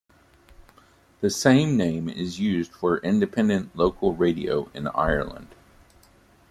The same name is used for Independent Local Radio in Ireland.